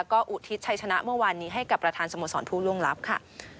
ก็อุทิศชัยชนะเมื่อวานนี้ให้กับประธานสโมสรผู้ล่วงลับค่ะ